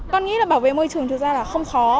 con nghĩ là bảo vệ môi trường thực ra là không khó